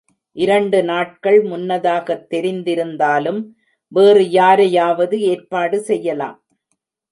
இரண்டு நாட்கள் முன்னதாகத் தெரிந்திருந்தாலும் வேறு யாரையாவது ஏற்பாடு செய்யலாம்.